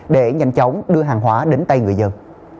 để nhanh chóng đưa hàng hóa đến tay người dân